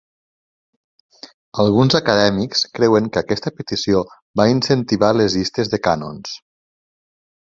Alguns acadèmics creuen que aquesta petició va incentivar les llistes de cànons.